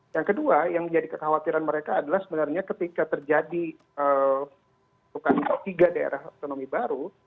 yang kedua yang menjadi kekhawatiran mereka adalah sebenarnya ketika terjadi tiga daerah otonomi baru